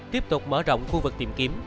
tiếp tục mở rộng khu vực tìm kiếm